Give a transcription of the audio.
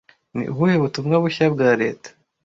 Ni ubuhe butumwa bushya bwa leta